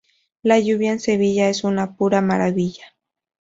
La lluvia en Sevilla es una pura maravilla